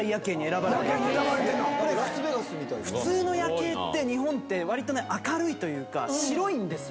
普通の夜景って日本ってわりと明るいというか白いんですよ。